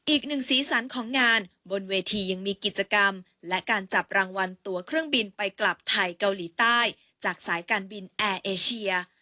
สีสันของงานบนเวทียังมีกิจกรรมและการจับรางวัลตัวเครื่องบินไปกลับไทยเกาหลีใต้จากสายการบินแอร์เอเชีย